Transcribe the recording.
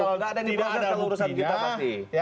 laporan kalau tidak ada buktinya